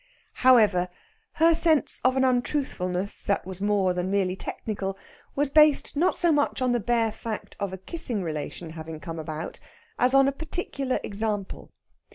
However, her sense of an untruthfulness that was more than merely technical was based not so much on the bare fact of a kissing relation having come about, as upon a particular example.